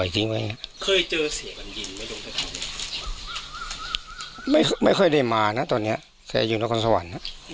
แต่แกก็ไม่เคยมาที่ทางแกเลย